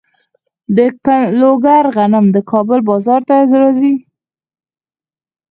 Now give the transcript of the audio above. د لوګر غنم د کابل بازار ته راځي.